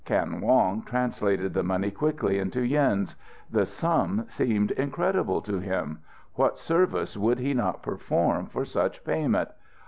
Kan Wong translated the money quickly into yens. The sum seemed incredible to him. What service would he not perform for such payment?